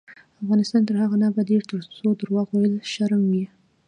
افغانستان تر هغو نه ابادیږي، ترڅو درواغ ویل شرم وي.